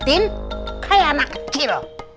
diingetin kayak anak kecil